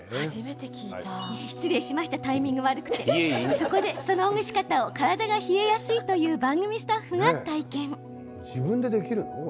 そこで、そのほぐし方を体が冷えやすいという番組スタッフが体験。